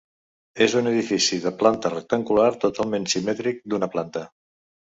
És un edifici de planta rectangular totalment simètric, d'una planta.